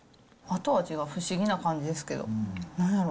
後味が不思議な感じですけど、なんやろ。